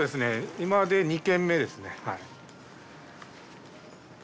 今で２軒目ですね。